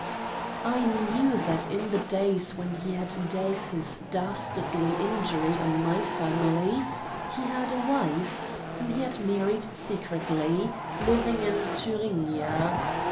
I knew that in the days when he had dealt his dastardly injury on my family he had a wife, whom he had married secretly, living in Thuringia.